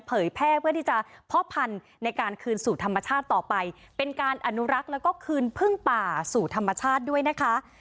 เผยแพร่เพื่อที่จะเพาะพันธุ์ในการคืนสู่ธรรมชาติต่อไปเป็นการอนุรักษ์แล้วก็คืนพึ่งป่าสู่ธรรมชาติด้วยนะคะ